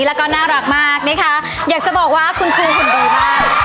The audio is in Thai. แล้วก็น่ารักมากนี่ค่ะอยากจะบอกว่าคุณครูคุณดีมากนี่ค่ะ